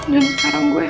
dan sekarang gue hamil